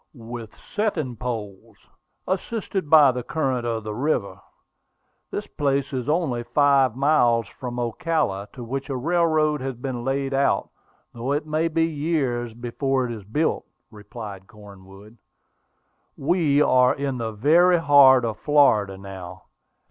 "With setting poles, assisted by the current of the river. This place is only five miles from Ocala, to which a railroad has been laid out, though it may be years before it is built," replied Cornwood. "We are in the very heart of Florida now.